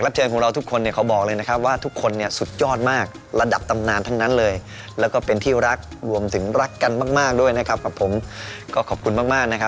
โปรดติดตามตอนต่อไป